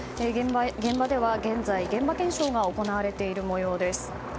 現場では現在、現場検証が行われている模様です。